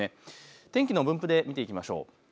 天気の分布で見ていきましょう。